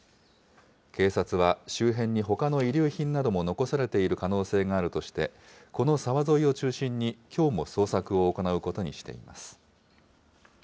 警察は、周辺にほかの遺留品なども残されている可能性があるとして、この沢沿いを中心にきょうも捜索を行うことにしています。